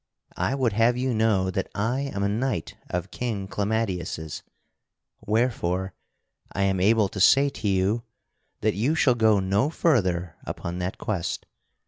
I would have you know that I am a knight of King Clamadius', wherefore I am able to say to you that you shall go no further upon that quest.